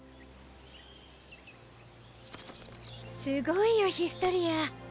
すごいよヒストリア！